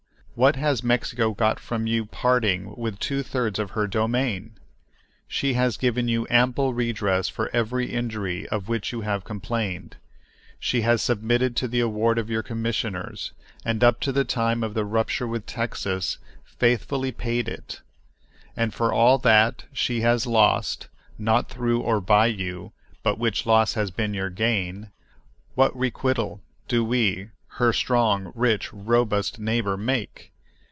What has Mexico got from you for parting with two thirds of her domain? She has given you ample redress for every injury of which you have complained. She has submitted to the award of your commissioners, and up to the time of the rupture with Texas faithfully paid it. And for all that she has lost (not through or by you, but which loss has been your gain) what requital do we, her strong, rich, robust neighbor, make?